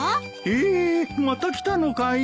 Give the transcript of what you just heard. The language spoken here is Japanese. えーっまた来たのかい！？